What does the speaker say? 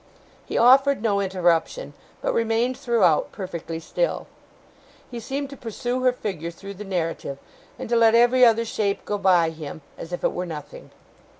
He offered no interruption, but remained throughout perfectly still. He seemed to pursue her figure through the narrative, and to let every other shape go by him, as if it were nothing.